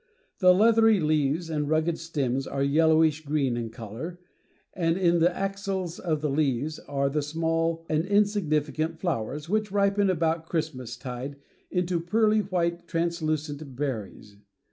The leathery leaves and rugged stems are yellowish green in color and, in the axils of the leaves, are the small and insignificant flowers, which ripen about Christmas tide into pearly white translucent berries.